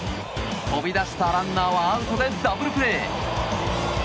飛び出したランナーはアウトでダブルプレー！